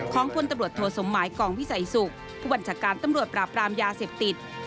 พลตำรวจโทสมหมายกองวิสัยสุขผู้บัญชาการตำรวจปราบรามยาเสพติด